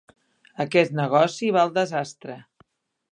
Aquest negoci va al desastre.